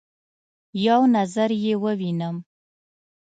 یو نظر يې ووینم